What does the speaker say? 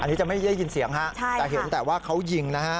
อันนี้จะไม่ได้ยินเสียงฮะแต่เห็นแต่ว่าเขายิงนะฮะ